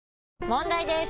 問題です！